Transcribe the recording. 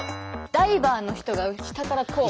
ダイバーの人が下からこう。